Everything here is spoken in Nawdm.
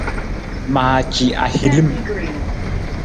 Maaci ahilim.